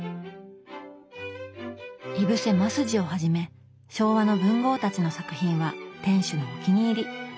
井伏鱒二をはじめ昭和の文豪たちの作品は店主のお気に入り。